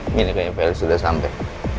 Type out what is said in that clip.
ini nih kayaknya velis sudah sampai